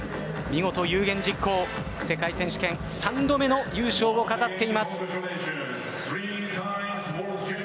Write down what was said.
見事有言実行、世界選手権３度目の優勝を飾っています。